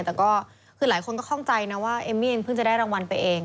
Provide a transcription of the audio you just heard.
แต่ก็คือหลายคนก็คล่องใจนะว่าเอมมี่เองเพิ่งจะได้รางวัลไปเอง